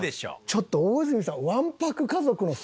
ちょっと大泉さん。